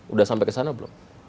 udah sampai kesana belum